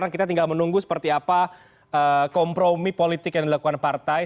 kita tinggal menunggu seperti apa kompromi politik yang dilakukan partai